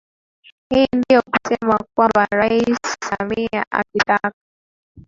Hii ndiyo kusema kwamba Rais Samia akitaka